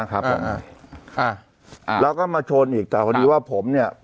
แล้วก็มาชนอีกแต่พอดีว่าผมเนี่ย